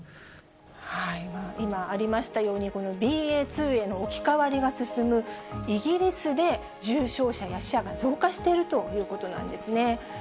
今ありましたように、ＢＡ．２への置き換わりが進むイギリスで、重症者や死者が増加しているということなんですね。